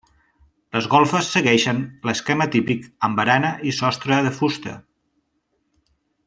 Les golfes segueixen l'esquema típic amb barana i sostre de fusta.